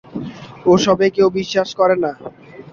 ওসবে কেউ বিশ্বাস করে না।